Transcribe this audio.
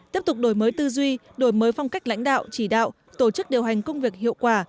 tiếp tục đổi mới tư duy đổi mới phong cách lãnh đạo chỉ đạo tổ chức điều hành công việc hiệu quả